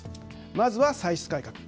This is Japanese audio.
まずは歳出改革。